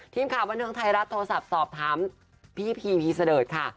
ทีมข่าวบันเทิงไทยรัฐโทรศัพท์สอบถามพี่พีพีเสดิร์ดค่ะ